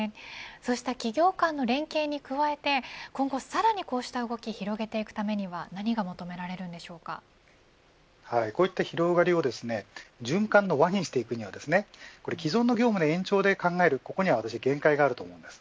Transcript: そうした企業間の連携に加えて、今後さらにこうした動き広げるためにはこういった広がりを循環の輪にしていくには既存の業務の延長で考えることには限界があると思います。